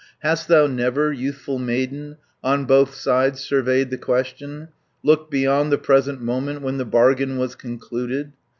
"Hast thou never, youthful maiden, On both sides surveyed the question, Looked beyond the present moment, When the bargain was concluded?